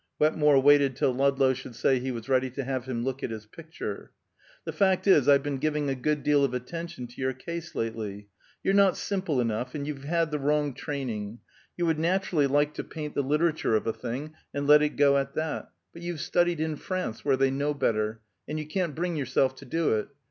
Wetmore waited till Ludlow should say he was ready to have him look at his picture. "The fact is, I've been giving a good deal of attention to your case, lately. You're not simple enough, and you've had the wrong training. You would naturally like to paint the literature of a thing, and let it go at that. But you've studied in France, where they know better, and you can't bring yourself to do it.